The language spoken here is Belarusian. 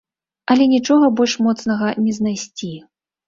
Але нічога больш моцнага не знайсці.